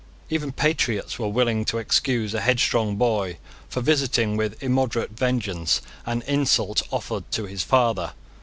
Even patriots were willing to excuse a headstrong boy for visiting with immoderate vengeance an insult offered to his father.